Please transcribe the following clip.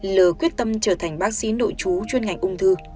lờ quyết tâm trở thành bác sĩ nội chú chuyên ngành ung thư